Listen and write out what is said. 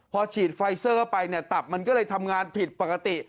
พอฉีดไฟเซอร์ไปเนี่ยตับมันก็เลยทำงานผิดปกติ